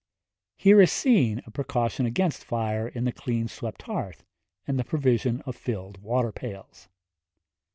Here is seen a precaution against fire in the clean swept hearth and the provision of filled water pails.